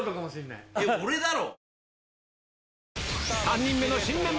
いや俺だろ！